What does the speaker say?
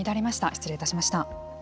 失礼いたしました。